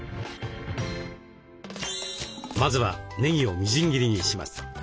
まずはねぎをみじん切りにします。